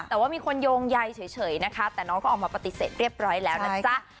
แต่ว่ามีคนโยงใยเฉยนะคะแต่น้องก็ออกมาปฏิเสธเรียบร้อยแล้วนะจ๊ะ